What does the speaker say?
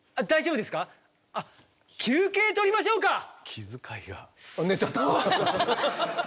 気遣いが。